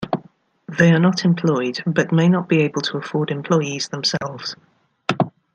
They are not employed, but may not be able to afford employees themselves.